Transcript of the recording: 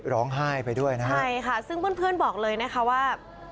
ร้องไห้ไปด้วยนะฮะใช่ค่ะซึ่งเพื่อนบอกเลยนะคะว่า